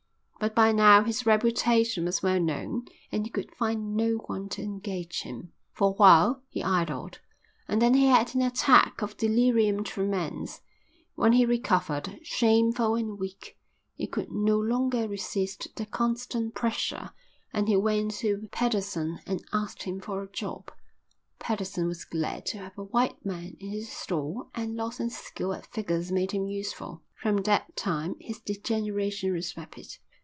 But by now his reputation was well known and he could find no one to engage him. For a while he idled, and then he had an attack of delirium tremens. When he recovered, shameful and weak, he could no longer resist the constant pressure and he went to Pedersen and asked him for a job. Pedersen was glad to have a white man in his store and Lawson's skill at figures made him useful. From that time his degeneration was rapid.